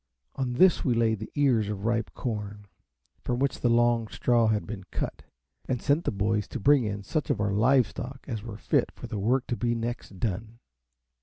On this we laid the ears of ripe corn, from which the long straw had been cut, and sent the boys to bring in such of our live stock as were fit for the work to be next done.